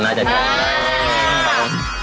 น่าจะใช่ครับ